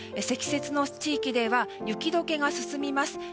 積雪の地域では雪解けが進みます。